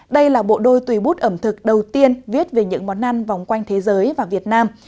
đây là bộ đôi tùy bút ẩm thực đầu tiên viết về những món ăn vòng quanh thế giới và việt nam